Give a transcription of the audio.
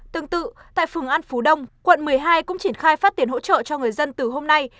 tương tự tại phường an phú đông quận một mươi hai cũng triển khai phát tiền hỗ trợ cho người dân từ hôm nay